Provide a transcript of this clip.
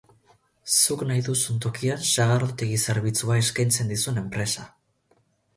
Zuk nahi duzun tokian sagardotegi zerbitzua eskaintzen dizun enpresa.